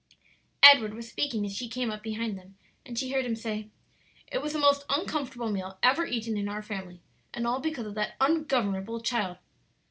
Edward was speaking as she came up behind them, and she heard him say, "It was the most uncomfortable meal ever eaten in our family; and all because of that ungovernable child."